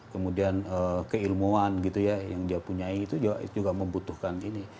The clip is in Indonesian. kemudian keilmuan gitu ya yang dia punya itu juga membutuhkan ini